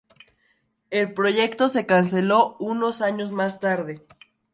El proyecto se canceló unos años más tarde.